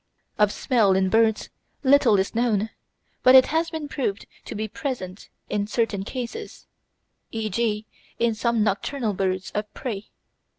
Of smell in birds little is known, but it has been proved to be present in certain cases, e.g. in some nocturnal birds of prey.